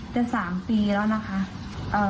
แต่๓ปีแล้วนะคะ